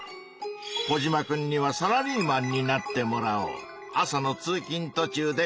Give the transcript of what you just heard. コジマくんにはサラリーマンになってもらおう。